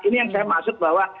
ini yang saya maksud bahwa